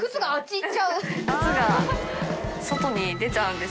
い外に出ちゃうんです。